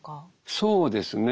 そうですね。